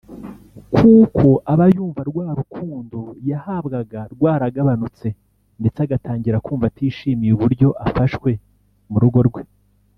Kuko aba yumva rwa rukundo yahabwaga rwaragabanutse ndetse agatangira kumva atishimiye uburyo afashwe mu rugo rwe